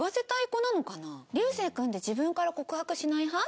「流星君って自分から告白しない派？」。